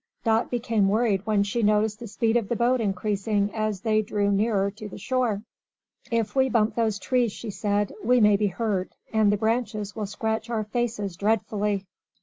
Dot became worried when she noticed the speed of the boat increasing as they drew nearer to the shore. "If we bump those trees," she said, "we may be hurt, and the branches will scratch our faces dreadfully."